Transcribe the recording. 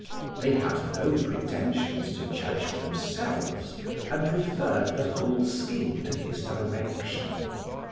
They had no pretensions to judge for themselves, and referred the whole scheme to his direction.